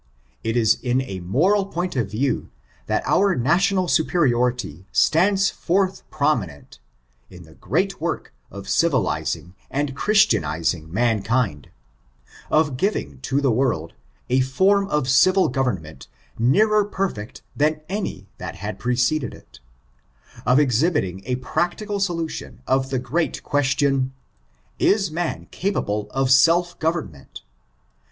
It is in a moral point of view that our national superiority stands forth prominent— in the great work of civilizing and Christianizing mankind— H>f giving to the world a form of civil government nearer perfect dian any that had preceded it— of exhibiting a practical solution of the great question : Is man capable of self govem* ment